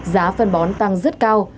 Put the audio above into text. giá phân bón tăng rất cao